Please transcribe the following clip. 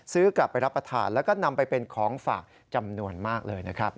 ซื้อกลับไปรับประทานแล้วก็นำไปเป็นของฝากจำนวนมากเลยนะครับ